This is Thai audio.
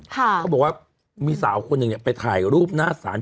เขาบอกว่ามีสาวคนหนึ่งเนี่ยไปถ่ายรูปหน้าศาล